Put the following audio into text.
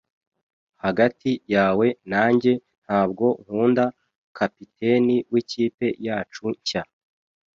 Hagati yawe nanjye, ntabwo nkunda kapiteni wikipe yacu nshya.